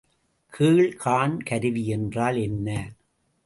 கேள் காண் கருவி என்றால் என்ன?